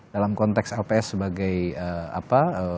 dalam konteks lps sebagai apa